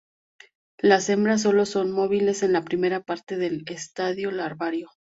Las hembras solo son móviles en la primera parte del primer estadio larvario.